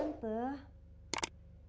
bukan kue basahnya